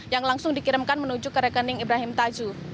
yang langsung dikirimkan menuju ke rekening ibrahim tajuh